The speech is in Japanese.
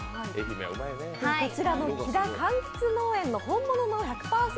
こちらの木田柑橘農園の本物の１００％